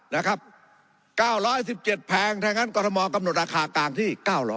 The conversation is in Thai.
นะครับ๙๑๗แพงถ้างั้นกรทมกำหนดราคากลางที่๙๐๐